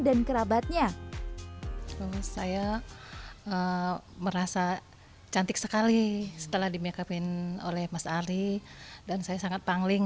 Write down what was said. dan kerabatnya saya merasa cantik sekali setelah di makeup in oleh mas ari dan saya sangat pangling